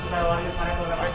ありがとうございます。